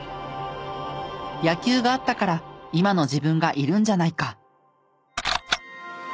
「野球があったから今の自分がいるんじゃないか」。